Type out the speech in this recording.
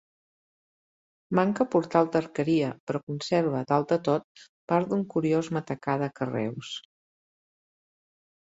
Manca portal d'arqueria però conserva, dalt de tot, part d'un curiós matacà de carreus.